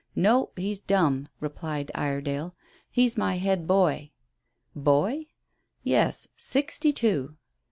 "No; he's dumb," replied Iredale. "He's my head boy." "Boy?" "Yes. Sixty two."